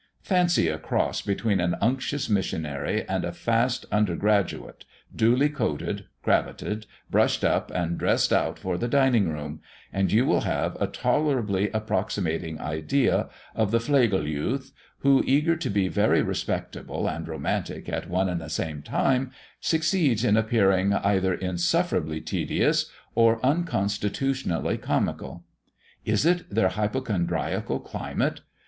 Fancy a cross between an unctuous missionary and a fast under graduate, duly coated, cravated brushed up and dressed out for the dining room; and you will have a tolerably approximating idea of the Flegel youth, who eager to be very respectable and romantic at one and the same time, succeeds in appearing either insufferably tedious or unconstitutionally comical. Is it their hypochondriacal climate?